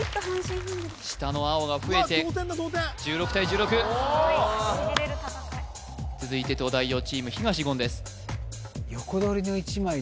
下の青が増えて１６対１６続いて東大王チーム東言です